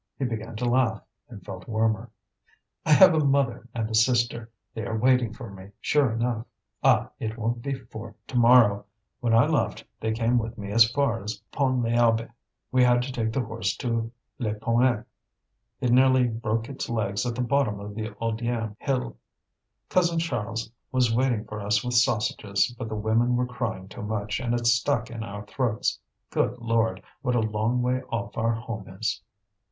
He began to laugh, and felt warmer. "I have a mother and a sister. They are waiting for me, sure enough. Ah! it won't be for to morrow. When I left, they came with me as far as Pont l'Abbé. We had to take the horse to Lepalmec: it nearly broke its legs at the bottom of the Audierne Hill. Cousin Charles was waiting for us with sausages, but the women were crying too much, and it stuck in our throats. Good Lord! what a long way off our home is!"